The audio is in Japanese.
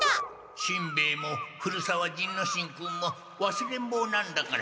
しんべヱも古沢仁之進君もわすれんぼうなんだから。